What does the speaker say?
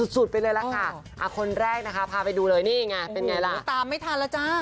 สุดไปเลยล่ะค่ะคนแรกนะคะพาไปดูเลยนี่ไงเป็นไงล่ะนี่ตามไม่ทันแล้วจ้า